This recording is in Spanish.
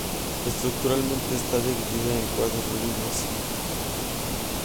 Estructuralmente está dividida en cuatro libros.